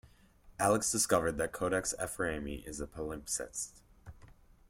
Allix discovered that Codex Ephraemi is a palimpsest.